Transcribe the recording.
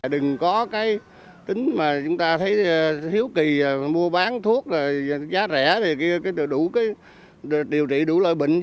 đừng có cái tính mà chúng ta thấy hiếu kỳ mua bán thuốc giá rẻ thì đủ điều trị đủ lợi bệnh